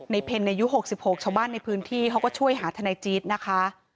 เพ็ญอายุ๖๖ชาวบ้านในพื้นที่เขาก็ช่วยหาทนายจี๊ดนะคะ